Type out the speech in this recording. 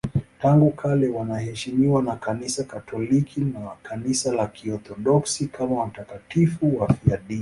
Tangu kale wanaheshimiwa na Kanisa Katoliki na Kanisa la Kiorthodoksi kama watakatifu wafiadini.